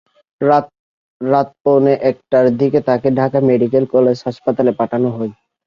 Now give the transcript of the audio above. রাত পৌনে একটার দিকে তাঁকে ঢাকা মেডিকেল কলেজ হাসপাতালে পাঠানো হয়।